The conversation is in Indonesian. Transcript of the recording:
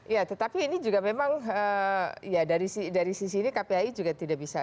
ya tetapi ini juga memang ya dari sisi ini kpai juga tidak bisa